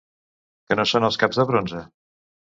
Què no són els caps de bronze?